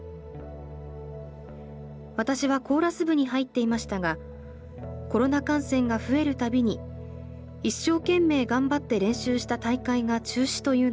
私はコーラス部に入っていましたがコロナ感染が増える度に一生懸命頑張って練習した大会が中止というのは度々でした。